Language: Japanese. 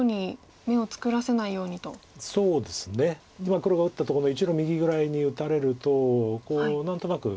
今黒が打ったところの１路右ぐらいに打たれると何となく。